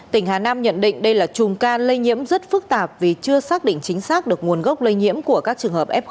tỉnh hà nam nhận định đây là chùm ca lây nhiễm rất phức tạp vì chưa xác định chính xác được nguồn gốc lây nhiễm của các trường hợp f hai